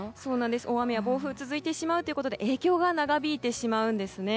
大雨や暴風が続いてしまうということで影響が長引いてしまうんですね。